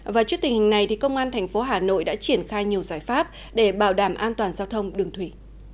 và trước tình hình này thì công an thành phố hà nội đã triển khai nhiều giải pháp để bảo đảm an toàn giao thông đường thủy